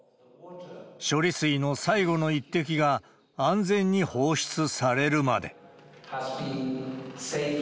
処理水の最後の一滴が安全に放出されるまで。